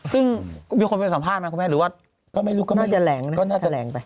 ซึ่งมีคนไปสัมภาษณ์ไหมครับคุณแม่หรือว่าน่าจะแหลง